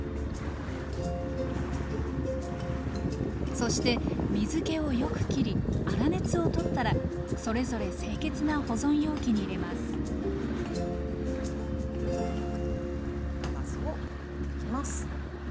そして水けをよく切り粗熱を取ったらそれぞれ清潔な保存容器に入れます甘酢を入れていきます。